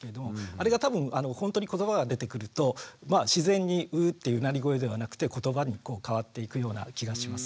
あれが多分ほんとに言葉が出てくると自然に「ヴ」っていううなり声ではなくて言葉に変わっていくような気がします。